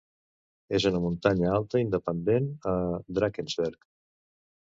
És una muntanya alta independent a Drakensberg.